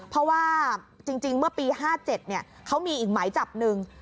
เพราะว่าจริงเมื่อปี๕๗เขามีอีกหมายจับหนึ่ง